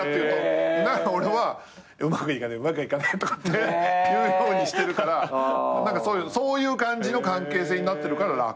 だから俺はうまくいかねえうまくいかねえとかって言うようにしてるからそういう感じの関係性になってるから楽。